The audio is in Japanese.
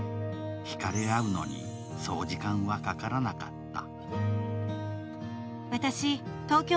引かれ合うのに、そう時間はかからなかった。